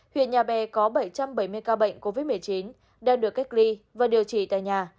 huyện nhà bè có bảy trăm bảy mươi ca bệnh covid một mươi chín đang được cách ly và điều trị tại nhà